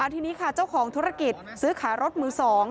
ทีนี้ค่ะเจ้าของธุรกิจซื้อขายรถมือ๒